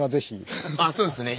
あっそうですね。